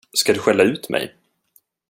Ska du skälla ut mig?